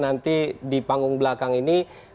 nanti di panggung belakang ini